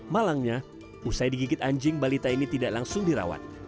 malangnya usai digigit anjing balita ini tidak langsung dirawat